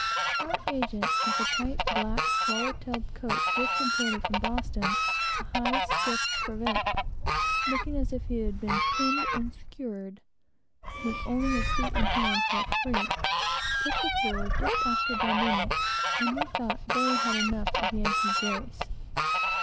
Our agent, with a tight, black, swallow tailed coat, just imported from Boston, a high stiff cravat, looking as if he had been pinned and skewered, with only his feet and hands left free, took the floor just after Bandini; and we thought they had had enough of Yankee grace.